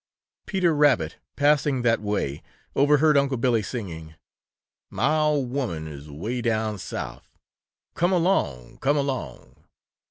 Peter Rabbit, passing that way, overheard Unc' Billy singing: "Mah ol' woman is away down Souf Come along! Come along!